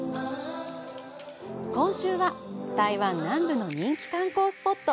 今週は、台湾南部の人気観光スポット